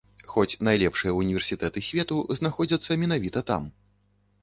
Хоць найлепшыя ўніверсітэты свету знаходзяцца менавіта там.